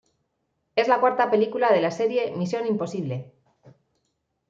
Es la cuarta película de la serie "Misión imposible".